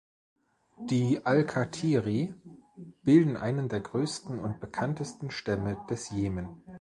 Die Alkatiri bilden einen der größten und bekanntesten Stämme des Jemen.